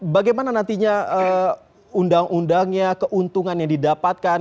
bagaimana nantinya undang undangnya keuntungan yang didapatkan